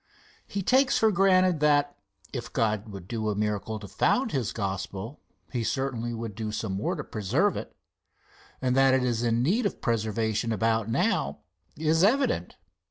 He takes for granted that, if God would do a miracle to found his gospel, he certainly would do some more to preserve it, and that it is in need of preservation about now is evident.